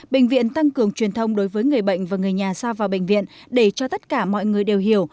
bệnh viện tăng cường truyền thông đối với người bệnh và người nhà xa vào bệnh viện để cho tất cả mọi người đều hiểu